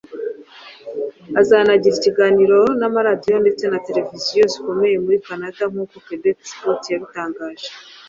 Azanagirana ikiganiro n’amaradiyo ndetse na Televiziyo zikomeye muri Canada nk’uko Quebec Spot yabitangaje